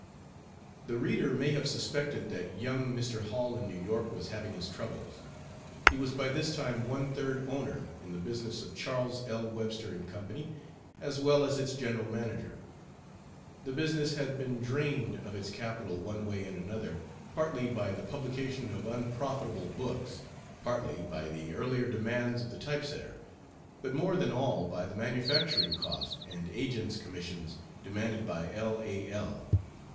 The reader may have suspected that young Mr. Hall in New York was having his troubles. He was by this time one third owner in the business of Charles L. Webster & Co., as well as its general manager. The business had been drained of its capital one way and another partly by the publication of unprofitable books; partly by the earlier demands of the typesetter, but more than all by the manufacturing cost and agents' commissions demanded by L. A. L.